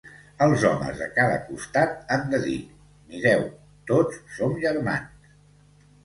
Els homes de cada costat han de dir: "Mireu, tots som germans".